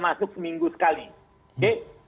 masuk seminggu sekali oke